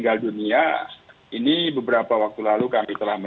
kemampuan reactive mentok untuk pend vogelian itu